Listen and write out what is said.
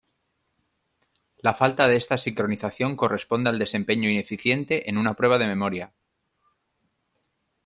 La falta de esta sincronización corresponde al desempeño ineficiente en una prueba de memoria.